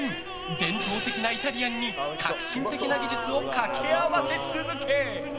伝統的なイタリアンに革新的な技術を掛け合わせ続け